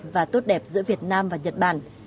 và tốt đẹp giữa việt nam và nhật bản